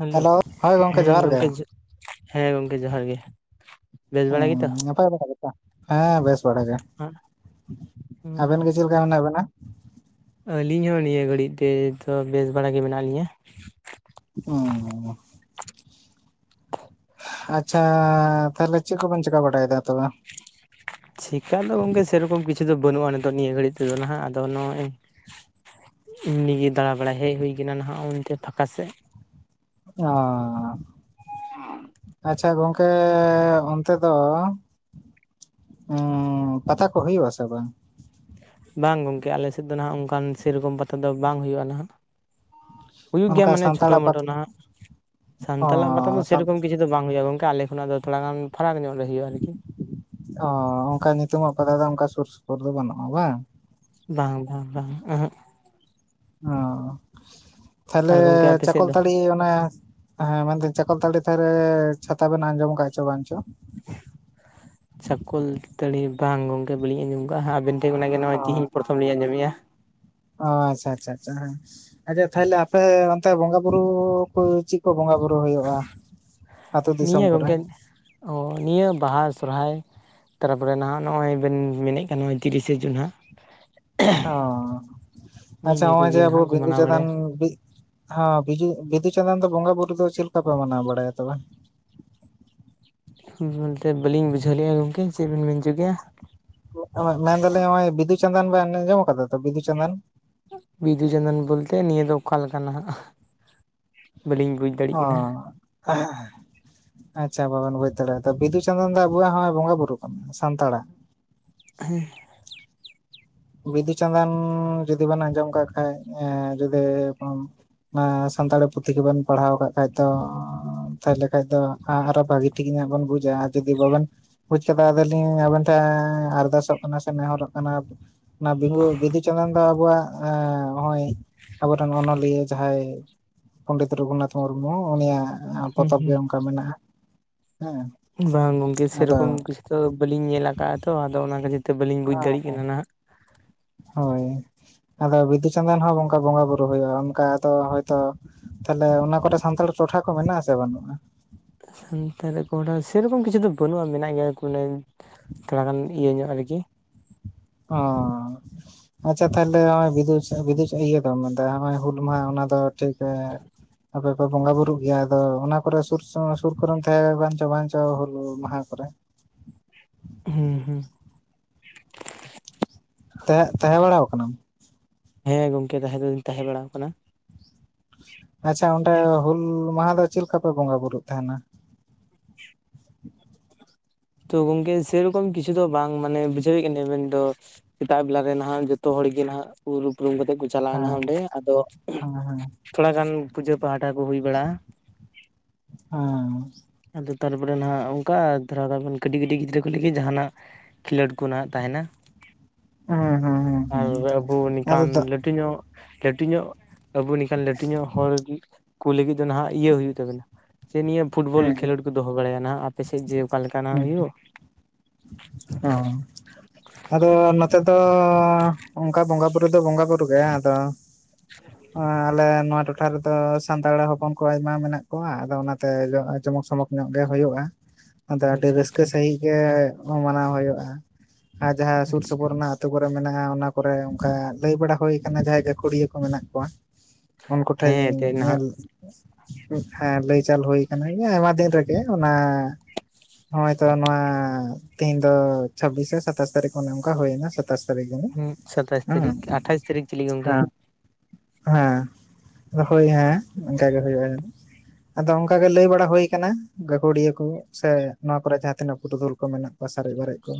Hello ᱦᱳᱭ ᱜᱚᱝᱠᱮ ᱦᱮᱸ ᱡᱚᱦᱟᱨ ᱜᱮ ᱜᱚᱢᱠᱮ ᱦᱮᱸ ᱜᱚᱢᱠᱮ ᱡᱚᱦᱟᱨ ᱜᱮ ᱵᱮᱥ ᱵᱟᱲᱟ ᱜᱮᱛᱚ? ᱦᱸ ᱱᱟᱯᱟᱭ ᱵᱟᱲᱟ ᱜᱮᱛᱚ ᱦᱮᱸ ᱵᱮᱥ ᱵᱟᱲᱟᱜ ᱜᱮ ᱦᱩᱸ ᱟᱵᱮᱱ ᱜᱮ ᱪᱮᱫ ᱞᱮᱠᱟ ᱢᱮᱱᱟᱜ ᱵᱮᱱᱟ ᱟᱹᱞᱤᱧ ᱦᱚᱸ ᱱᱤᱭᱟᱹ ᱜᱷᱟᱹᱲᱤᱡ ᱛᱮ ᱫᱚ ᱵᱮᱥ ᱵᱟᱲᱟ ᱜᱮ ᱢᱮᱱᱟᱜ ᱞᱤᱧᱟᱹ ᱚ ᱟᱪᱪᱷᱟ ᱛᱟᱦᱚᱞᱮ ᱪᱮᱫ ᱠᱚᱵᱮᱱ ᱪᱮᱠᱟ ᱵᱟᱲᱟᱭᱮᱫᱟ ᱛᱚᱵᱮ ᱪᱤᱠᱟ ᱫᱚ ᱜᱚᱝᱠᱮ ᱥᱮᱨᱚᱠᱚᱢ ᱠᱤᱪᱷᱩ ᱫᱚ ᱵᱟᱹᱱᱩᱜᱼᱟ ᱱᱤᱛᱚᱜ ᱱᱤᱭᱟᱹ ᱜᱷᱟᱹᱲᱤᱡ ᱛᱮᱫᱚ ᱦᱟᱜ ᱟᱫᱚ ᱱᱚᱜᱼᱚᱭ ᱮᱢᱱᱤ ᱜᱮ ᱫᱟᱬᱟ ᱵᱟᱲᱟᱭ ᱦᱮᱡ ᱦᱩᱭ ᱟᱠᱟᱱᱟ ᱱᱟᱦᱟᱜ ᱱᱚᱛᱮ ᱯᱷᱟᱸᱠᱟ ᱥᱮᱫ ᱚ ᱟᱪᱪᱷᱟ ᱜᱚᱝᱠᱮ ᱚᱱᱛᱮ ᱫᱚ ᱚ ᱯᱟᱛᱟ ᱠᱚ ᱦᱩᱭᱩᱜ-ᱟ ᱥᱮ ᱵᱟᱝ ᱵᱟᱝ ᱜᱚᱢᱠᱮ ᱟᱞᱮ ᱥᱮᱫ ᱫᱚ ᱦᱟᱜ ᱚᱱᱠᱟᱱ ᱥᱮᱨᱚᱠᱚᱢ ᱯᱟᱛᱟ ᱫᱚ ᱵᱟᱝ ᱦᱩᱭᱩᱜᱼᱟ ᱱᱟᱦᱟᱜ ᱦᱩᱭᱩᱜ ᱜᱮᱭᱟ ᱚᱱᱠᱟ ᱢᱟᱱᱮ ᱪᱷᱳᱴᱳ ᱥᱟᱱᱛᱟᱲᱟᱜ ᱢᱳᱴᱳ ᱯᱟᱛᱟ ᱱᱟᱦᱟᱜ ᱚ ᱥᱟᱱᱛᱟᱞᱟᱜ ᱯᱟᱛᱟ ᱫᱚ ᱥᱟᱱ ᱥᱮᱨᱚᱠᱚᱢ ᱠᱤᱪᱷᱩ ᱫᱚ ᱵᱟᱝ ᱦᱩᱭᱩᱜᱼᱟ ᱜᱚᱝᱠᱮ ᱟᱞᱮ ᱠᱷᱚᱱᱟᱜ ᱫᱚ ᱛᱷᱚᱲᱟ ᱜᱟᱱ ᱯᱷᱟᱨᱟᱠ ᱧᱚᱜ ᱨᱮ ᱦᱩᱭᱩᱜᱼᱟ ᱟᱨᱠᱤ ᱚ ᱚᱱᱠᱟ ᱧᱩᱛᱩᱢᱟᱜ ᱯᱟᱛᱟ ᱫᱚ ᱚᱱᱠᱟ ᱥᱩᱨ ᱥᱩᱯᱩᱨ ᱫᱚ ᱵᱟᱹᱱᱩᱜᱼᱟ ᱵᱟᱝ ᱾ ᱵᱟᱝ ᱵᱟᱝ ᱵᱟᱝ [unintelligible] ᱚ ᱛᱟᱦᱚᱞᱮ ᱟᱨ ᱜᱚᱝᱠᱮ ᱟᱯᱮ ᱥᱮᱫ ᱫᱚ ᱪᱟᱠᱚᱞᱛᱟᱹᱲᱤ ᱚᱱᱟ ᱦᱮᱸ ᱢᱮᱱᱟᱱᱛᱮ ᱪᱟᱠᱚᱞᱛᱟᱹᱲᱤ ᱛᱷᱟᱹᱨᱮ ᱪᱷᱟᱛᱟ ᱵᱮᱱ ᱟᱸᱡᱚᱢ ᱟᱠᱟᱫ ᱪᱚ ᱵᱟᱝ ᱪᱚ? ᱪᱷᱟᱠᱚᱞ ᱛᱟᱹᱲᱤ ᱵᱟᱝ ᱜᱚᱝᱠᱮ ᱵᱟᱞᱤᱧ ᱟᱸᱡᱚᱢ ᱟᱠᱟᱫᱼᱟ, ᱟᱵᱮᱱ ᱴᱷᱮᱱ ᱚᱱᱟᱜᱮ ᱱᱚᱣᱟ ᱚ ᱪᱤᱦᱤᱧ ᱯᱚᱨᱚᱛᱷᱚᱢ ᱞᱤᱧ ᱟᱸᱡᱚᱢᱮᱜᱼᱟ ᱾ ᱚ ᱟᱪᱪᱷᱟ ᱟᱪᱪᱷᱟ ᱟᱪᱪᱷᱟ ᱦᱮᱸ, ᱟᱪᱪᱷᱟ ᱛᱟᱦᱚᱞᱮ ᱟᱯᱮ ᱚᱱᱛᱮ ᱵᱚᱸᱜᱟ ᱵᱩᱨᱩ ᱠᱚ ᱪᱮᱫ ᱠᱚ ᱵᱚᱸᱜᱟ ᱵᱩᱨᱩ ᱦᱩᱭᱩᱜᱼᱟ, ᱟᱹᱛᱩ ᱫᱤᱥᱚᱢ ᱱᱤᱭᱟᱹ ᱠᱚᱨᱮ ᱜᱚᱝᱠᱮ ᱾ ᱚ ᱱᱤᱭᱟᱹ ᱵᱟᱦᱟ ᱥᱚᱨᱦᱟᱭ ᱛᱟᱨ ᱯᱚᱨᱮ ᱱᱟᱦᱟᱜ ᱱᱚᱜᱼᱚᱭ ᱵᱮᱱ ᱢᱮᱱᱮᱫ ᱠᱟᱱ, ᱱᱚᱜᱼᱚᱭ ᱛᱤᱨᱤᱥᱮ ᱡᱩᱱ ᱦᱟᱸᱜ ᱚ, ᱱᱤᱜ ᱟᱪᱪᱷᱟ ᱱᱤᱭᱟᱹ ᱱᱚᱜᱼᱚᱭ ᱡᱮ ᱠᱚᱜᱮ ᱟᱵᱚ ᱱᱟᱦᱟᱜ ᱠᱚ ᱵᱤᱫᱩ ᱢᱟᱱᱟᱣ ᱪᱟᱸᱫᱟᱱ ᱵᱟᱲᱟᱭᱟ ᱵᱤᱫ ᱦᱮᱸ ᱵᱩᱫᱩ ᱵᱤᱫᱩ ᱪᱟᱸᱫᱟᱱ ᱫᱚ ᱵᱚᱸᱜᱟ ᱵᱩᱨᱩ ᱫᱚ ᱪᱮᱫ ᱞᱮᱠᱟ ᱯᱮ ᱢᱟᱱᱟᱣ ᱵᱟᱲᱟᱭᱟ ᱛᱚᱵᱮ? ᱵᱚᱞᱛᱮ ᱵᱟᱹᱞᱤᱧ ᱵᱩᱡᱷᱟᱹᱣ ᱞᱮᱫᱼᱟ ᱜᱚᱢᱠᱮ ᱪᱮᱫ ᱵᱤᱱ ᱢᱮᱱ ᱚᱪᱚ ᱠᱮᱭᱟ? ᱢᱮᱱ ᱮᱫᱟᱞᱤᱧ ᱱᱚᱜᱼᱚᱭ ᱵᱤᱫᱩ ᱪᱟᱸᱫᱟᱱ ᱵᱮᱱ ᱟᱸᱡᱚᱢ ᱟᱠᱟᱫᱟ ᱛᱚ ᱵᱤᱫᱩ ᱪᱟᱸᱫᱟᱱ? ᱵᱤᱫᱩᱼᱪᱟᱸᱫᱟᱱ ᱵᱚᱞᱛᱮ ᱱᱤᱭᱟᱹ ᱫᱚ ᱚᱠᱟ ᱞᱮᱠᱟᱱᱟᱜ? ᱚ ᱟᱪᱪᱷᱟ ᱵᱟᱵᱮᱱ ᱵᱩᱡᱽ ᱫᱟᱲᱮᱭᱟᱫᱟ ᱵᱤᱫᱩ ᱪᱟᱸᱫᱟᱱ ᱫᱚ ᱟᱚᱣᱟᱜ ᱱᱚᱜᱚᱸᱭ ᱵᱚᱸᱜᱟ ᱵᱩᱨᱩ ᱠᱟᱱᱟ ᱥᱟᱱᱛᱟᱲᱟᱜ᱾ ᱦᱮᱸ ᱵᱤᱫᱩᱼ ᱪᱟᱸᱫᱟᱱ ᱡᱩᱫᱤ ᱵᱮᱱ ᱟᱸᱡᱚᱢ ᱠᱟᱜ ᱠᱷᱟᱡ ᱡᱩᱫᱤ ᱚᱱᱟ ᱥᱟᱱᱛᱟᱲᱤ ᱯᱩᱛᱷᱤ ᱠᱚᱵᱮᱱ ᱯᱟᱲᱦᱟᱣ ᱠᱟᱜ ᱠᱷᱟᱡ ᱫᱚ ᱛᱟᱦᱞᱮ ᱠᱷᱟᱡ ᱫᱚ ᱦᱟᱸ ᱟᱨᱚ ᱵᱷᱟᱜᱤ ᱴᱷᱤᱠ ᱧᱚᱜ ᱵᱮᱱ ᱵᱩᱡᱟ ᱟᱨ ᱡᱩᱫᱤ ᱵᱟᱵᱮᱱ ᱵᱩᱡᱽ ᱟᱠᱟᱫᱟ ᱟᱫᱚᱞᱤᱧ ᱟᱵᱮᱱ ᱴᱷᱮᱱ ᱟᱨᱫᱟᱥᱚᱜ ᱠᱟᱱᱟ ᱥᱮ ᱱᱮᱦᱚᱨᱚᱜ ᱠᱟᱱᱟ᱾ ᱚᱱᱟ ᱵᱸᱤᱫᱩᱼ ᱪᱟᱸᱫᱟᱱ ᱫᱚ ᱟᱵᱚᱣᱟᱜ ᱱᱚᱜᱼᱚᱭ ᱟᱵᱚᱨᱮᱱ ᱚᱱᱚᱞᱤᱭᱟᱹ ᱡᱟᱦᱟᱸᱭ ᱯᱚᱱᱰᱤᱛ ᱨᱚᱜᱷᱩᱱᱟᱛᱷ ᱢᱩᱨᱢᱩ ᱩᱱᱤᱭᱟᱜ ᱦᱩᱸ ᱯᱚᱛᱚᱵ ᱜᱮ ᱦᱩᱸ ᱚᱱᱠᱟ ᱢᱮᱱᱟᱜᱼᱟ᱾ ᱦᱮᱸ ᱵᱟᱝ ᱜᱚᱝᱠᱮ ᱟᱫᱚ ᱥᱮᱨᱚᱠᱚᱢ ᱠᱤᱪᱷᱩ ᱫᱚ ᱵᱟᱹᱞᱤᱧ ᱧᱮᱞ ᱟᱠᱟᱫᱼᱟ ᱛᱚ ᱟᱫᱚ ᱚᱱᱟ ᱠᱷᱟᱹᱛᱤᱨ ᱛᱮ ᱵᱟᱹᱞᱤᱧ ᱵᱩᱡᱽ ᱫᱟᱲᱮᱭᱟᱜ ᱠᱟᱱᱟ ᱱᱟᱦᱟᱜ᱾ ᱦᱳᱭ ᱟᱫᱚ ᱵᱤᱫᱩ ᱪᱟᱸᱫᱟᱱ ᱦᱚᱸ ᱚᱱᱠᱟ ᱵᱚᱸᱜᱟ ᱵᱩᱨᱩ ᱦᱩᱭᱩᱜᱼᱟ, ᱚᱱᱠᱟ ᱟᱫᱚ ᱦᱳᱭ ᱛᱚ ᱛᱟᱦᱞᱮ ᱚᱱᱟ ᱠᱚᱨᱮ ᱥᱟᱱᱛᱟᱲ ᱴᱚᱴᱷᱟ ᱠᱚ ᱢᱮᱱᱟᱜ ᱟᱥᱮ ᱵᱟᱹᱱᱩᱜᱼᱟ? ᱥᱟᱱᱛᱟᱲ ᱠᱚ ᱥᱮᱨᱚᱠᱚᱢ ᱠᱤᱪᱷᱩ ᱫᱚ ᱵᱟᱹᱱᱩᱜᱼᱟ, ᱢᱮᱱᱟᱜ ᱜᱮᱭᱟ ᱠᱚᱱᱮ ᱛᱷᱚᱲᱟ ᱜᱟᱱ ᱤᱭᱟᱹ ᱧᱚᱜ ᱟᱨ ᱠᱤ ᱚ ᱟᱪᱪᱷᱟ ᱛᱟᱦᱚᱞᱮ ᱱᱚᱜᱼᱚᱭ ᱵᱤᱫᱩ ᱵᱤᱫᱩ ᱤᱭᱟᱹ ᱫᱚᱢ ᱢᱮᱱᱟ ᱱᱚᱜᱼᱚᱭ ᱦᱩᱞ ᱢᱟᱦᱟ ᱚᱱᱟ ᱫᱚ ᱴᱷᱤᱠ ᱚ ᱟᱫᱚ, ᱟᱯᱮ ᱵᱚᱸᱜᱟ ᱵᱩᱨᱩᱜ ᱜᱮᱭᱟ ᱟᱫᱚ ᱚᱱᱟ ᱠᱚᱨᱮᱩᱨ ᱥᱩᱨ ᱠᱚᱨᱮᱢ ᱛᱟᱦᱮᱸ ᱟᱠᱟᱱᱪᱚ ᱵᱟᱧᱪᱚ ᱦᱩᱞ ᱢᱟᱦᱟ ᱠᱚᱨᱮ ᱦᱮᱸ ᱦᱮᱸ ᱛᱟᱦᱮᱸ ᱛᱟᱦᱮᱸ ᱵᱟᱲᱟ ᱟᱠᱟᱱᱟᱢ? ᱦᱮᱸ ᱜᱚᱝᱠᱮ ᱛᱟᱦᱮᱸ ᱫᱚᱧ ᱛᱟᱦᱮᱸ ᱵᱟᱲᱟ ᱟᱠᱟᱱᱟ᱾ ᱟᱪᱪᱷᱟ ᱚᱸᱰᱮ ᱦᱩᱞ ᱢᱟᱦᱟ ᱫᱚ ᱪᱮᱫ ᱞᱮᱠᱟ ᱯᱮ ᱵᱚᱸᱜᱟ ᱵᱩᱨᱩᱜ ᱛᱟᱦᱮᱸᱱᱟ? ᱛᱚ ᱜᱚᱝᱠᱮ ᱥᱮᱨᱚᱠᱚᱢ ᱠᱤᱪᱷᱩ ᱫᱚ ᱵᱟᱝ ᱢᱟᱱᱮ ᱵᱩᱡᱷᱟᱹᱣᱮᱫ ᱠᱟᱱᱟ ᱢᱮᱱ ᱫᱚ᱾ ᱥᱮᱛᱟᱜ ᱵᱮᱞᱟᱞᱮ ᱱᱟᱦᱟᱜ ᱡᱚᱛᱚ ᱦᱚᱲ ᱜᱮ ᱱᱟᱦᱟᱜ ᱩᱢ ᱩᱯᱨᱩᱢ ᱠᱟᱛᱮ ᱠᱚ ᱪᱟᱞᱟᱣ ᱮᱱᱟ ᱦᱮᱸ ᱚᱸᱰᱮ ᱟᱫᱚ ᱦᱮᱸ ᱦᱮᱸ ᱛᱷᱚᱲᱟ ᱜᱟᱱ ᱯᱩᱡᱟᱹ ᱯᱟᱦᱴᱟ ᱠᱚ ᱦᱩᱭ ᱵᱟᱲᱟᱜᱼᱟ᱾ ᱚ ᱟᱫᱚ ᱛᱟᱨᱯᱚᱨᱮ ᱱᱟᱜ ᱚᱱᱠᱟ ᱫᱷᱟᱨᱟ ᱠᱟᱹᱴᱤᱡᱽ ᱠᱟᱹᱴᱤᱡᱽ ᱜᱤᱫᱽᱨᱟᱹ ᱠᱚ ᱞᱟᱹᱜᱤᱫ ᱡᱟᱦᱟᱱᱟᱜ ᱠᱷᱮᱞᱳᱰ ᱠᱚ ᱱᱟᱦᱟᱜ ᱛᱟᱦᱮᱸᱱᱟ ᱦᱮᱸ ᱦᱮᱸ ᱟᱨ ᱦᱮᱸ ᱦᱮᱸ ᱟᱵᱚ ᱟᱫᱚ ᱱᱚᱝᱠᱟᱱ ᱞᱟᱹᱴᱩ ᱞᱟᱹᱴᱩ ᱧᱚᱜ ᱞᱟᱹᱴᱩ ᱧᱚᱜ ᱟᱵᱚ ᱱᱮᱝᱠᱟᱱ ᱞᱟᱹᱴᱩ ᱧᱚᱜ ᱦᱚᱲ ᱜᱮ ᱠᱩᱞᱤ ᱞᱟᱹᱜᱤᱫ ᱫᱚ ᱱᱟᱦᱟᱜ ᱤᱭᱟᱹ ᱦᱩᱭᱩᱜ ᱛᱟᱵᱮᱱᱟ ᱡᱮ ᱱᱤᱭᱟᱹ ᱯᱷᱩᱴᱵᱚᱞ, ᱦᱮᱸ ᱦᱮᱸ ᱠᱷᱮᱞᱳᱰ ᱠᱚ ᱫᱚᱦᱚ ᱵᱟᱲᱟᱭᱟ ᱱᱟᱜ ᱟᱯᱮᱥᱮᱫ ᱡᱮ ᱚᱠᱟ ᱞᱮᱠᱟᱱᱟᱜ ᱦᱩᱭᱩᱜ? ᱚᱸ ᱟᱫᱚ ᱱᱚᱛᱮ ᱫᱚ ᱚᱱᱠᱟ ᱵᱚᱸᱜᱟ ᱵᱩᱨᱩ ᱫᱚ ᱵᱚᱸᱜᱟ ᱜᱩᱴᱩ ᱜᱮ ᱟᱫᱚ ᱟᱞᱮ ᱱᱟᱣᱟ ᱴᱩ ᱴᱚᱴᱷᱟ ᱨᱮᱫᱚ ᱥᱟᱱᱛᱟᱲ ᱦᱚᱯᱚᱱ ᱠᱚ ᱟᱭᱢᱟ ᱢᱮᱱᱟᱜ ᱠᱚᱣᱟ ᱟᱫᱚ ᱚᱱᱟᱛᱮ ᱡᱚᱢᱚᱠ ᱥᱚᱢᱚᱠ ᱧᱚᱜ ᱜᱮ ᱦᱩᱭᱩᱜᱼᱟ᱾ [unintelligible] ᱟᱫᱚ ᱟᱹᱰᱤ ᱟᱪᱪᱷᱟ ᱨᱟᱹᱥᱠᱟᱹ ᱟᱪᱪᱷᱟ ᱥᱟᱺᱦᱤᱡ ᱜᱮ ᱢᱟᱱᱟᱣ ᱦᱩᱭᱩᱜᱼᱟ ᱟᱨ ᱡᱟᱦᱟᱸ ᱥᱩᱨ ᱟᱪᱪᱷᱟ ᱥᱩᱯᱩᱨ ᱨᱮᱱᱟᱜ ᱟᱹᱛᱩ ᱠᱚᱨᱮ ᱢᱮᱱᱟᱜᱼᱟ ᱚᱱᱟ ᱠᱚᱨᱮ ᱚᱱᱠᱟ ᱞᱟᱹᱭ ᱵᱟᱲᱟ ᱦᱩᱭ ᱟᱠᱟᱱᱟ ᱡᱟᱦᱟᱸᱭ ᱜᱟᱹᱠᱷᱩᱲᱤᱭᱟᱹ ᱠᱚ ᱢᱮᱱᱟᱜ ᱠᱚᱣᱟ, ᱩᱱᱠᱩ ᱴᱷᱮᱱ ᱦᱮᱸ ᱤᱧ ᱮᱱᱛᱮᱫ ᱱᱟᱦᱟᱜ ᱧᱮᱞ ᱦᱮᱸ ᱞᱟᱹᱭ ᱪᱟᱞ ᱦᱩᱭ ᱠᱟᱱᱟ ᱟᱭᱢᱟ ᱫᱤᱱ ᱨᱮᱜᱮ ᱚᱱᱟ ᱱᱚᱜᱼᱚᱭᱛᱚ ᱱᱚᱣᱟ ᱛᱤᱦᱤᱧ ᱫᱚ ᱪᱷᱟᱵᱽᱵᱤᱥ ᱥᱮ ᱥᱟᱛᱟᱥ ᱛᱟᱹᱨᱤᱠᱷ ᱚᱱᱮ ᱚᱱᱠᱟ ᱦᱩᱭᱱᱟ᱾ ᱥᱟᱛᱟᱥ ᱛᱟᱨᱤᱠᱷ ᱦᱩᱸ ᱦᱮᱸ ᱥᱟᱛᱟᱥ ᱛᱟᱹᱨᱤᱠᱷ ᱟᱴᱷᱟᱥ ᱛᱟᱹᱨᱤᱠᱷ ᱪᱤᱞᱤ ᱜᱚᱝᱠᱮ ᱦᱮᱸ ᱦᱮᱸ ᱦᱳᱭ ᱦᱮᱸ ᱚᱱᱠᱟ ᱜᱮ ᱦᱩᱭᱩᱜᱼᱟ᱾ ᱟᱫᱚ ᱚᱱᱠᱟ ᱜᱮ ᱞᱟᱹᱭ ᱵᱟᱲᱟ ᱦᱩᱭ ᱟᱠᱟᱱᱟ ᱜᱟᱹᱠᱷᱩᱲᱤᱭᱟᱹ ᱠᱚ᱾ ᱥᱮ ᱱᱚᱣᱟ ᱠᱚᱨᱮ ᱡᱟᱦᱟᱸ ᱛᱤᱱᱟᱹᱜ ᱯᱩᱨᱩᱫᱷᱩᱞ ᱠᱚ ᱢᱮᱱᱟᱜ ᱠᱚᱣᱟ ᱥᱟᱨᱮᱡ ᱵᱟᱨᱮᱡ ᱠᱚ,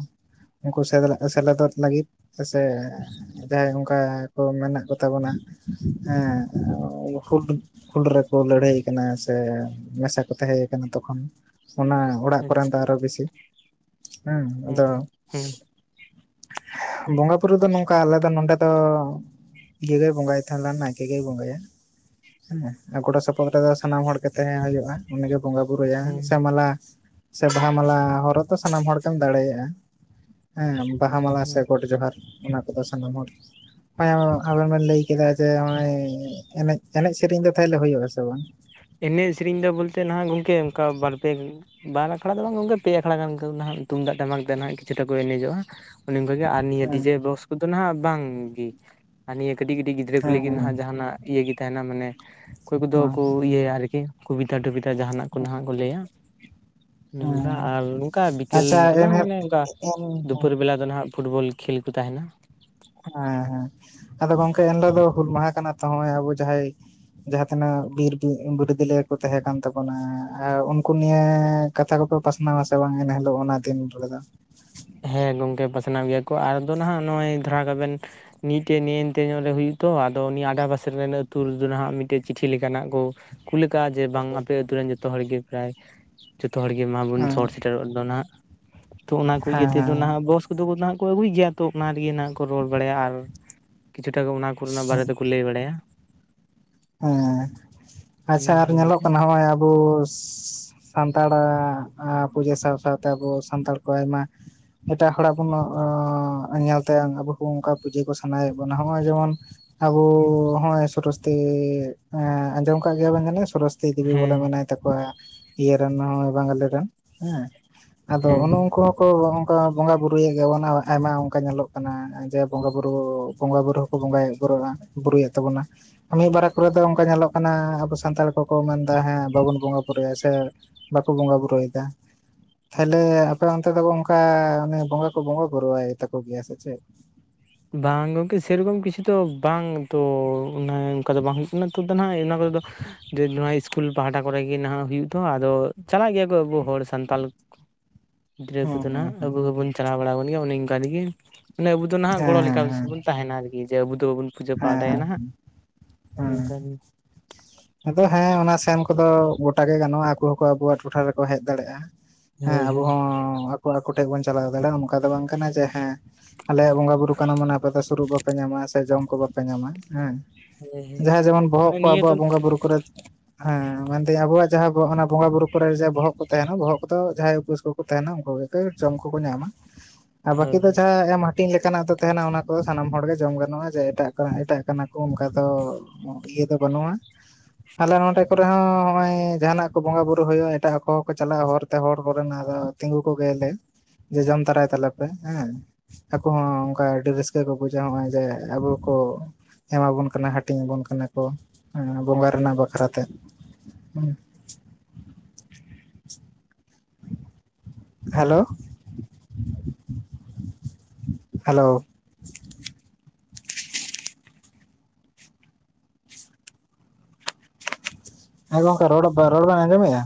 ᱩᱱᱠᱩ ᱥᱮᱞᱮᱫᱚᱜ ᱥᱮᱞᱮᱫᱚᱜ ᱞᱟᱹᱜᱤᱫ ᱥᱮ, ᱡᱟᱦᱟᱸᱭ ᱚᱱᱠᱟ ᱠᱚ ᱢᱮᱱᱟᱜ ᱠᱚᱛᱟ ᱵᱚᱱᱟ ᱦᱮᱸ ᱦᱩᱰ ᱯᱷᱩᱞ [unintelligible] ᱨᱮᱠᱚ ᱞᱟᱹᱲᱦᱟᱹᱭ ᱠᱟᱱᱟ ᱥᱮ ᱢᱮᱥᱟ ᱠᱚ ᱛᱟᱦᱮᱸ ᱠᱟᱱᱟ ᱛᱚᱠᱷᱚᱱ ᱚᱱᱟ ᱚᱲᱟᱜ ᱠᱚᱨᱮᱱ ᱟᱪᱪᱷᱟ ᱫᱚ ᱟᱨᱚ ᱵᱮᱥᱤ ᱦᱩᱸ ᱦᱮᱸ ᱟᱫᱚ ᱦᱮᱸ ᱵᱚᱸᱜᱟ ᱵᱩᱨᱩ ᱫᱚ ᱱᱚᱝᱠᱟ ᱟᱞᱮ ᱫᱚ ᱱᱚᱰᱮ ᱫᱚ, ᱤᱭᱟᱹ ᱜᱮᱭ ᱵᱚᱸᱜᱟᱭ ᱛᱟᱦᱮᱱᱟ ᱱᱟᱭᱠᱮ ᱜᱮᱭ ᱵᱚᱸᱜᱟᱭᱟ᱾ ᱦᱮᱸ ᱜᱚᱲᱚ ᱥᱚᱯᱚᱦᱚᱫ ᱨᱮᱫᱚ ᱥᱟᱱᱟᱢ ᱦᱚᱲ ᱜᱮ ᱛᱟᱦᱮᱸ ᱦᱩᱭᱩᱜᱼᱟ᱾ ᱚᱱᱤᱜᱮ ᱵᱚᱸᱜᱟ ᱵᱩᱨᱩᱭᱟ ᱦᱮᱸ ᱥᱮ ᱢᱟᱞᱟ ᱥᱮ ᱵᱟᱦᱟ ᱢᱟᱞᱟ ᱦᱚᱨᱚᱜ ᱥᱟᱱᱟᱢ ᱦᱚᱲ ᱜᱮᱢ ᱫᱟᱲᱮᱭᱟᱜᱼᱟ ᱦᱮᱸ ᱵᱟᱦᱟ ᱢᱟᱞᱟ ᱥᱮ ᱦᱮᱸ ᱜᱚᱰ ᱡᱚᱦᱟᱨ ᱚᱱᱟ ᱠᱚᱫᱚ ᱥᱟᱱᱟᱢ ᱦᱚᱲ ᱟᱵᱮᱱ ᱵᱮᱱ ᱞᱟᱹᱭ ᱠᱮᱫᱟ ᱡᱮ ᱱᱚᱜ-ᱚᱭ ᱮᱱᱮᱡ ᱮᱱᱮᱡ ᱥᱮᱨᱮᱧ ᱫᱚ ᱛᱟᱦᱚᱞᱮ ᱦᱩᱭᱩᱜ ᱟ ᱥᱮ ᱵᱟᱝ ᱮᱱᱮᱡ ᱥᱮᱨᱮᱧ ᱫᱚ ᱵᱚᱞᱛᱮ ᱱᱟᱦᱟᱜ ᱜᱚᱢᱠᱮ ᱚᱱᱠᱟ ᱵᱟᱨ ᱯᱮ ᱵᱟᱨ ᱟᱠᱷᱲᱟ ᱫᱚ ᱵᱟᱝ ᱜᱚᱢᱠᱮ ᱯᱮ ᱟᱠᱷᱲᱟ ᱜᱟᱱ ᱱᱟᱦᱟᱜ ᱛᱩᱢᱫᱟᱜ ᱴᱟᱢᱟᱠ ᱛᱮ ᱱᱟᱦᱟᱜ ᱠᱤᱪᱷᱩᱴᱟ ᱠᱚ ᱮᱱᱮᱡᱟᱜᱼᱟ ᱚᱱᱮ ᱚᱱᱠᱟᱜᱮ ᱟᱨ ᱱᱤᱭᱟᱹ ᱦᱮᱸ ᱰᱤᱡᱮ ᱵᱚᱠᱥ ᱠᱚᱫᱚ ᱱᱟᱜ ᱵᱟᱝ ᱜᱮ ᱟᱨ ᱱᱤᱭᱟᱹ ᱠᱟᱹᱴᱤᱡ ᱠᱟᱹᱴᱤᱡ ᱜᱤᱫᱽᱨᱟᱹ ᱠᱚ ᱦᱮᱸ ᱞᱟᱹᱜᱤᱫ ᱱᱟᱜ ᱡᱟᱸᱦᱟᱱᱟᱜ ᱤᱭᱟᱹ ᱜᱮ ᱛᱟᱦᱮᱱᱟ ᱢᱟᱱᱮ ᱚᱠᱚᱭ ᱠᱚᱫᱚ ᱦᱮᱸ ᱠᱚ ᱤᱭᱟᱹᱭᱟ ᱟᱨᱠᱤ ᱠᱚᱵᱤᱛᱟ ᱴᱚᱵᱤᱛᱟ ᱡᱟᱦᱟᱱᱟᱜ ᱠᱚ ᱱᱟᱜ ᱠᱚ ᱞᱟᱹᱭᱟ ᱱᱚᱝᱠᱟ ᱦᱮᱸ ᱟᱨ ᱱᱚᱝᱠᱟ ᱵᱤᱠᱮᱞ ᱟᱪᱪᱷᱟ ᱫᱚ ᱵᱟᱝ ᱮᱱᱦᱤᱞᱳᱜ ᱢᱟᱱᱮ ᱚᱱᱠᱟ ᱫᱩᱯᱩᱨ ᱦᱮᱸ ᱵᱮᱞᱟ ᱫᱚ ᱱᱟᱜ ᱯᱷᱩᱴᱵᱚᱞ ᱠᱷᱮᱞ ᱠᱚ ᱛᱟᱸᱦᱮᱱᱟ ᱦᱮᱸ ᱦᱮᱸ ᱟᱫᱚ ᱜᱚᱝᱠᱮ ᱮᱱ ᱦᱤᱞᱚᱜ ᱫᱚ ᱦᱩᱞ ᱢᱟᱦᱟ ᱠᱟᱱᱟ ᱛᱚ ᱱᱚᱜ-ᱚᱭ ᱟᱵᱚ ᱡᱟᱦᱟᱸᱭ ᱡᱟᱦᱟᱸ ᱛᱤᱱᱟᱹᱜ ᱵᱤᱨ ᱵᱤᱨᱫᱟᱹᱞᱤᱭᱟᱹ ᱠᱚ ᱛᱟᱦᱮᱸ ᱠᱟᱱ ᱛᱟᱵᱚᱱᱟ ᱟᱨ ᱩᱱᱠᱩ ᱱᱤᱭᱟᱹ ᱠᱟᱛᱷᱟ ᱠᱚᱯᱮ ᱯᱟᱥᱱᱟᱣᱟ ᱥᱮ ᱵᱟᱝ ᱮᱱ ᱦᱤᱞᱳᱜ ᱚᱱᱟ ᱫᱤᱱ ᱨᱮᱫᱚ ᱦᱮᱸ ᱜᱚᱝᱠᱮ ᱯᱟᱥᱱᱟᱣ ᱜᱮᱭᱟ ᱠᱚ ᱟᱫᱚ ᱱᱟᱜ ᱱᱚᱜᱼᱚᱭ ᱫᱷᱟᱨᱟ ᱠᱟᱜᱼᱵᱮᱱ ᱢᱤᱫᱴᱮᱡ ᱱᱮᱱᱛᱮ ᱧᱚᱜ ᱨᱮ ᱦᱩᱭᱩᱜ ᱛᱚ ᱟᱫᱚ ᱩᱱᱤ ᱟᱸᱰᱟ ᱯᱟᱥᱮ ᱨᱮᱱ ᱟᱹᱛᱩ ᱨᱮᱫᱚ ᱱᱟᱦᱟᱸᱜ ᱢᱤᱫᱴᱮᱱ ᱪᱤᱴᱷᱤ ᱞᱮᱠᱟᱱᱟᱜ ᱠᱚ ᱠᱩᱞ ᱠᱟᱜ-ᱟ ᱡᱮ ᱵᱟᱝ ᱟᱯᱮ ᱟᱛᱩ ᱨᱮᱱ ᱡᱚᱛᱚ ᱦᱚᱲ ᱜᱮ ᱯᱨᱟᱭ ᱡᱚᱛᱚ ᱦᱚᱲ ᱜᱮ ᱢᱟ ᱵᱳᱱ ᱦᱮᱸ ᱥᱚᱦᱚᱨᱼᱼ ᱥᱮᱴᱮᱨᱚᱜ ᱫᱚ ᱱᱟᱜ ᱛᱚ ᱚᱱᱟ ᱠᱚ ᱤᱭᱟᱹ ᱛᱮᱫᱚ ᱦᱮᱸ ᱱᱟᱦᱟᱜ ᱵᱚᱠᱥ ᱩᱱᱠᱩ ᱫᱚ ᱠᱚ ᱟᱹᱜᱩᱭ ᱜᱮᱭᱟ ᱛᱚ ᱚᱱᱟ ᱨᱮᱜᱮ ᱱᱟᱜ ᱠᱚ ᱨᱚᱲ ᱵᱟᱲᱟᱭᱟ ᱟᱨ ᱠᱤᱪᱷᱩᱴᱟ ᱜᱮ ᱚᱱᱟ ᱠᱳᱨᱳᱱᱟ ᱵᱟᱨᱮ ᱦᱮᱸ ᱛᱮᱠᱚ ᱞᱟᱹᱭ ᱵᱟᱲᱟᱭᱟ ᱦᱮᱸ ᱟᱪᱪᱷᱟ ᱟᱨ ᱱᱤᱝᱠᱟ ᱧᱮᱞᱚᱜ ᱜᱚᱝᱠᱮ ᱠᱟᱱᱟ ᱱᱚᱜᱼᱚᱭ ᱟᱵᱚᱼᱼ ᱥᱟᱱᱛᱟᱲᱟᱜ ᱯᱩᱡᱟᱹ ᱥᱟᱶ ᱥᱟᱶᱛᱮ ᱟᱵᱚ ᱥᱟᱱᱛᱟᱲ ᱠᱚ ᱟᱭᱢᱟ ᱮᱴᱟᱜ ᱦᱚᱲᱟᱜ ᱵᱚᱱ ᱧᱮᱞ ᱛᱮ ᱟᱵᱚ ᱦᱚᱸ ᱚᱱᱠᱟ ᱯᱩᱡᱟᱹ ᱠᱚ ᱥᱟᱱᱟᱭᱮᱫ ᱵᱚᱱᱟ ᱱᱚᱜᱼᱚᱭ ᱡᱮᱢᱚᱱ ᱟᱵ ᱦᱸᱜ-ᱚᱭ ᱥᱚᱨᱚᱥᱚᱛᱤ ᱮᱜ ᱟᱸᱡᱚᱢ ᱠᱟᱜ ᱜᱮᱭᱟᱵᱱ ᱡᱟᱱᱮ ᱥᱚᱨᱚᱥᱚᱛᱤ ᱫᱮᱵᱤ ᱵᱚᱞᱮ ᱦᱮᱸ ᱢᱮᱱᱟᱭ ᱛᱟᱠᱚᱣᱟ, ᱤᱭᱟᱹ ᱨᱮᱱ ᱦᱚᱭ ᱵᱟᱝᱜᱟᱞᱤ ᱨᱮᱱ ᱦᱮᱸ ᱟᱫᱚ ᱦᱮᱸ ᱚᱱᱮ ᱩᱱᱠᱩ ᱠᱚ ᱚᱱᱠᱟ ᱵᱚᱸᱜᱟ ᱵᱩᱨᱩᱭᱮᱫ ᱜᱮᱭᱟᱵᱚᱱ ᱟᱭᱢᱟ ᱚᱱᱠᱟ ᱧᱮᱞᱚᱜ ᱠᱟᱱᱟ ᱡᱮ ᱵᱚᱸᱜᱟ ᱵᱩᱨᱩ ᱵᱚᱸᱜᱟ ᱵᱩᱨᱩ ᱵᱚᱸᱜᱟᱭᱮᱫ ᱵᱩᱨᱼᱟ ᱵᱩᱨᱩᱭᱮᱫ ᱛᱟᱵᱚᱱᱟ᱾ ᱢᱤᱫ ᱵᱟᱨᱮ ᱠᱚᱨᱮ ᱫᱚ ᱚᱱᱠᱟ ᱧᱮᱞᱚᱜ ᱠᱟᱱᱟ ᱟᱵᱚ ᱥᱟᱱᱛᱟᱲ ᱠᱚᱠᱚ ᱢᱮᱱᱫᱟ ᱦᱮᱸ ᱵᱟᱵᱚᱱ ᱵᱚᱸᱜᱟ ᱵᱩᱨᱩᱭᱟ ᱥᱮ ᱵᱟᱠᱚ ᱵᱚᱸᱜᱟ ᱵᱩᱨᱩᱭᱮᱫᱟ ᱛᱟᱦᱚᱞᱮ ᱟᱯᱮ ᱚᱱᱛᱮ ᱫᱚ ᱚᱱᱠᱟ ᱚᱱᱮ ᱵᱚᱸᱜᱟ ᱠᱚ ᱵᱚᱸᱜᱟ ᱵᱩᱨᱩᱣᱟᱭ ᱛᱟᱠᱚ ᱜᱮᱭᱟ ᱥᱮ ᱪᱮᱫ ᱵᱟᱝ ᱜᱚᱢᱠᱮ ᱥᱮᱨᱚᱠᱚᱢ ᱠᱤᱪᱷᱩ ᱫᱚ ᱵᱟᱝ ᱛᱚ ᱚᱱᱠᱟ ᱫᱚ ᱵᱟᱝ ᱦᱩᱭᱩᱜ ᱠᱟᱱᱟ ᱛᱚ ᱱᱟᱦᱟᱜ ᱚᱱᱟ ᱠᱚᱨᱮ ᱫᱚ ᱡᱮ ᱱᱜ-ᱣᱟ ᱤᱥᱠᱩᱞ ᱯᱟᱦᱴᱟ ᱠᱚᱨᱮ ᱜᱮ ᱱᱟᱦᱟᱜ ᱦᱩᱭᱩᱜ ᱛᱚ ᱟᱫᱚ ᱪᱟᱞᱟᱜ ᱜᱮᱭᱟ ᱠᱚ ᱟᱵᱚ ᱦᱚᱲ ᱥᱟᱱᱛᱟᱞ [inaudible] ᱜᱤᱫᱽᱨᱟᱹ ᱦᱩᱸ ᱠᱚᱫᱚ ᱦᱩᱸ ᱱᱟᱜ ᱦᱩᱸ ᱟᱵᱚ ᱦᱚᱸᱵᱚᱱ ᱪᱟᱞᱟᱣ ᱵᱟᱲᱟᱣ ᱠᱟᱱ ᱜᱮᱭᱟ ᱚᱱᱮ ᱚᱱᱠᱟ ᱛᱮᱜᱮ ᱢᱟᱱᱮ ᱟᱵᱚ ᱫᱚ ᱱᱟᱦᱟᱜ ᱜᱚᱲᱚ ᱦᱮᱸ ᱞᱮᱠᱟ ᱦᱮᱸ ᱦᱮᱸ ᱵᱚᱱ ᱛᱟᱦᱮᱱᱟ ᱟᱨᱠᱤ ᱡᱮ ᱟᱵᱚ ᱫᱚ ᱵᱟᱵᱚᱱ ᱯᱩᱡᱟᱹ ᱦᱮᱸ ᱯᱟᱴᱷ ᱟᱭᱟ ᱱᱟᱦᱟᱜ ᱦᱮᱸ ᱦᱮᱸ ᱱᱚᱝᱠᱟᱱ ᱜᱤ ᱟᱫᱚ ᱦᱮᱸ ᱚᱱᱟ ᱥᱮᱱ ᱠᱚᱫᱚ ᱜᱚᱴᱟ ᱜᱮ ᱜᱟᱱᱚᱜᱼᱟ ᱟᱠᱚ ᱦᱚᱸᱠᱚ ᱟᱵᱚᱣᱟᱜ ᱴᱚᱴᱷᱟ ᱨᱮᱠᱚ ᱦᱮᱡ ᱫᱟᱲᱮᱜᱼᱟ ᱦᱮᱸ ᱦᱳᱭ ᱟᱵᱚ ᱦᱳᱭ ᱦᱚᱸ ᱟᱠᱚ ᱟᱠᱚ ᱴᱷᱮᱡ ᱵᱚᱱ ᱪᱟᱞᱟᱣ ᱫᱟᱲᱮᱭᱟᱜᱼᱟ ᱚᱱᱠᱟ ᱫᱚ ᱵᱟᱝ ᱠᱟᱱᱟ ᱡᱮ ᱦᱮᱸ ᱟᱞᱮ ᱟᱜ ᱵᱚᱸᱜᱟᱼ ᱵᱩᱨᱩ ᱠᱟᱱᱟ ᱢᱟᱱᱮ ᱟᱯᱮ ᱫᱚ ᱥᱩᱨᱩᱜ ᱵᱟᱯᱮ ᱧᱟᱢᱟ ᱥᱮ ᱡᱚᱢ ᱠᱚ ᱵᱟᱯᱮ ᱧᱟᱢᱟ ᱦᱮᱸ ᱦᱳᱭ ᱦᱳᱭ ᱡᱟᱦᱟᱸᱭ ᱡᱮᱢᱚᱱ ᱵᱚᱦᱚᱜ ᱢᱟᱱᱮ ᱠᱚ ᱱᱤᱭᱟᱹ ᱫᱚ ᱟᱵᱚᱣᱟᱜ ᱵᱚᱸᱜᱟᱼᱵᱩᱨᱩ ᱠᱚᱨᱮᱫ ᱦᱮᱸ ᱢᱮᱱᱫᱟᱹᱧ ᱟᱵᱚᱣᱟᱜ ᱡᱟᱦᱟᱸ ᱚᱱᱟ ᱵᱚᱸᱜᱟ ᱵᱩᱨᱩ ᱠᱚᱨᱮ ᱵᱚᱦᱚᱜ ᱠᱚ ᱛᱟᱦᱮᱱᱟ ᱵᱚᱦᱚᱜ ᱠᱚᱫᱚ ᱡᱟᱦᱟᱸᱭ ᱩᱯᱟᱹᱥ ᱠᱚ ᱛᱟᱦᱮᱱᱟ ᱩᱱᱠᱩ ᱜᱮ ᱡᱚᱢ ᱠᱚᱠᱚ ᱧᱟᱢᱟ ᱟᱨ ᱵᱟᱠᱤ ᱦᱳᱭ ᱫᱚ ᱦᱳᱭ ᱡᱟᱦᱟᱸ ᱮᱢ ᱦᱟ ᱦᱟᱴᱤᱝ ᱞᱮᱠᱟᱱᱟᱜ ᱫᱚ ᱛᱟᱦᱮᱱᱟ ᱚᱱᱟ ᱠᱚᱫᱚ ᱥᱟᱱᱟᱢ ᱦᱚᱲᱜᱮ ᱡᱚᱢ ᱜᱟᱱᱚᱜᱼᱟ ᱡᱮ ᱮᱴᱟᱜ ᱮᱴᱟᱜ ᱠᱟᱱᱟ ᱠᱚ ᱚᱱᱠᱟ ᱫᱚ ᱤᱭᱟᱹ ᱫᱚ ᱵᱟᱹᱱᱩᱜᱼᱟ ᱟᱞᱮ ᱱᱚᱸᱰᱮ ᱠᱚᱨᱮ ᱦᱚᱸ ᱱᱚᱜᱼᱚᱭ ᱡᱟᱦᱟᱱᱟᱜ ᱠᱚ ᱵᱚᱸᱜᱟ ᱵᱩᱨᱩ ᱦᱩᱭᱩᱜᱼᱟ ᱮᱴᱟᱜ ᱠᱚ ᱦᱚᱸᱠᱚ ᱪᱟᱞᱟᱜᱼᱟ ᱦᱚᱨᱛᱮ ᱦᱚᱲ ᱠᱚᱨᱮᱱᱟᱜ ᱟᱫᱚ ᱛᱤᱸᱜᱩ ᱠᱚ ᱜᱮᱭᱟᱞᱮ ᱡᱮ ᱡᱚᱢ ᱛᱟᱨᱟᱭ ᱛᱟᱞᱮᱯᱮ ᱦᱮᱸᱻ ᱟᱠᱚ ᱦᱚᱸ ᱚᱝᱠᱟ ᱟᱹᱰᱤ ᱨᱟᱹᱥᱠᱟᱹ ᱠᱚ ᱵᱩᱡᱷᱟᱹᱼᱟ ᱦᱚᱸᱼᱚᱭ ᱡᱮ ᱟᱵᱚ ᱠᱚᱼᱼ ᱮᱢᱟᱵᱚᱱ ᱠᱟᱱᱟ ᱦᱟᱹᱴᱤᱧ ᱟᱵᱚᱱ ᱠᱟᱱᱟ ᱠᱚ ᱵᱚᱸᱜᱟ ᱨᱮᱱᱟᱜ ᱵᱟᱠᱷᱨᱟ ᱛᱮ ᱦᱮᱸ ᱦᱮᱞᱳ ᱦᱮᱞᱳ ᱦᱮᱸ ᱜᱚᱝᱠᱮ ᱯᱮ ᱨᱚᱲ ᱨᱚᱲ ᱵᱮᱱ ᱟᱸᱡᱚᱢᱮᱫᱼᱟ